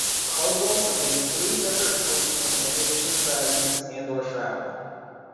Caldwell sustained three separate wounds from ammunition fragments and or shrapnel.